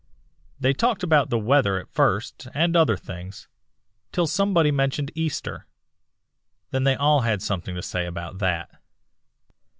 They talked about the weather at first and other things, till somebody mentioned Easter. Then they all had something to say about that.